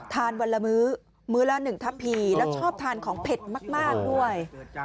ทานวันละมื้อมื้อละ๑ทัพพีแล้วชอบทานของเผ็ดมากด้วย